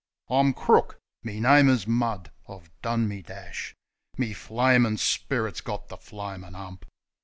I'm crook; me name is Mud; I've done me dash; Me flamin' spirit's got the flamin' 'ump!